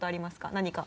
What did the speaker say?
何か。